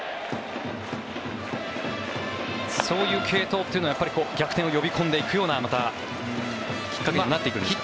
そういう継投というのは逆転を呼び込んでいくようなまたきっかけにもなっていくでしょうか。